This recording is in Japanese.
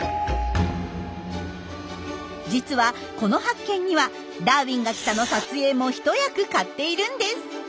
実はこの発見には「ダーウィンが来た！」の撮影も一役買っているんです。